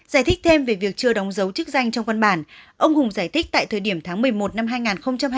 giải thích thêm về việc chưa đóng dấu chức danh trong văn bản ông hùng giải thích tại thời điểm tháng một mươi một năm hai nghìn hai mươi ba